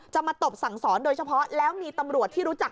มาตบสั่งสอนโดยเฉพาะแล้วมีตำรวจที่รู้จัก